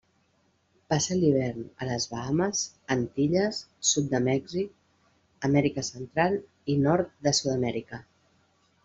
Passa l'hivern a les Bahames, Antilles, sud de Mèxic, Amèrica Central i nord de Sud-amèrica.